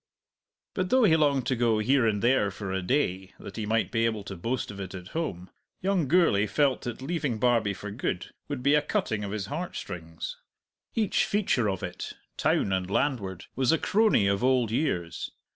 But though he longed to go here and there for a day, that he might be able to boast of it at home, young Gourlay felt that leaving Barbie for good would be a cutting of his heart strings. Each feature of it, town and landward, was a crony of old years.